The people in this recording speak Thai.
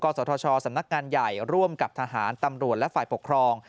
สทชสำนักงานใหญ่ร่วมกับทหารตำรวจและฝ่ายปกครอง